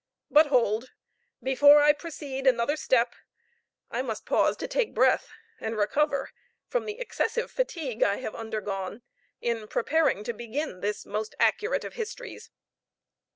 But hold: before I proceed another step I must pause to take breath, and recover from the excessive fatigue I have undergone, in preparing to begin this most accurate of histories.